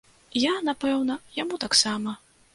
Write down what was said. Я, напэўна, яму таксама.